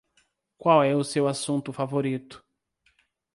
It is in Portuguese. Qual é o seu assunto favorito?